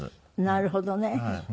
なるほどね。